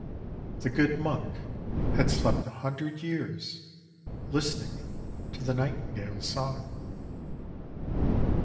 The good monk had slept a hundred years listening to the nightingale's song.